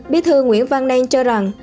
bi thư nguyễn văn nen cho rằng